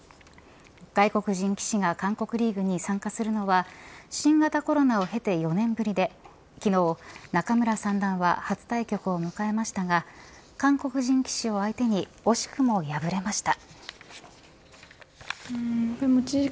外国人棋士が韓国リーグに参加するのは新型コロナを経て４年ぶりで昨日、仲邑三段は初対局を迎えましたが韓国人棋士を相手に惜しくも敗れました。